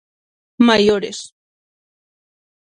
Maiores.